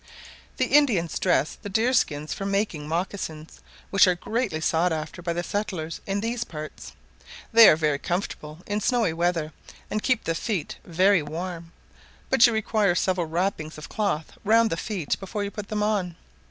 The Indians dress the deer skins for making mocassins, which are greatly sought after by the settlers in these parts; they are very comfortable in snowy weather, and keep the feet very warm, but you require several wrappings of cloth round the feet before you put them on.